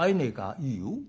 「いいよ。